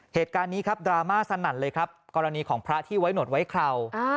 เหตุการณ์นี้ครับดราม่าสนั่นเลยครับกรณีของพระที่ไว้หนวดไว้คราว